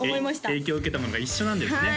影響受けたものが一緒なんですね